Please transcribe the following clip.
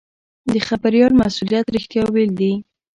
د خبریال مسوولیت رښتیا ویل دي.